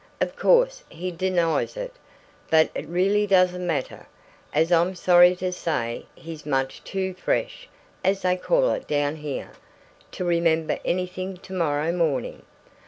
Of course he denies it; but it really doesn't matter, as I'm sorry to say he's much too 'fresh' (as they call it down here) to remember anything to morrow morning.